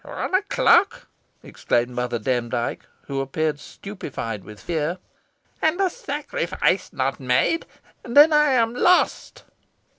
"One o'clock!" exclaimed Mother Demdike, who appeared stupefied with fear, "and the sacrifice not made then I am lost!"